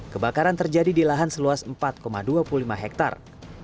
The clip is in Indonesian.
kebakaran terjadi di lahan seluas empat dua puluh lima hektare